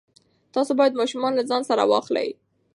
تاسو باید ماشومان له ځان سره واخلئ.